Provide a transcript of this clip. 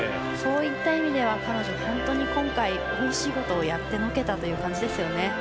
そういった意味では彼女本当に今回大仕事をやってのけたという感じですよね。